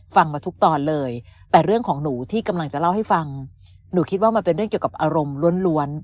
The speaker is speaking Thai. มาทุกตอนเลยแต่เรื่องของหนูที่กำลังจะเล่าให้ฟังหนูคิดว่ามันเป็นเรื่องเกี่ยวกับอารมณ์ล้วน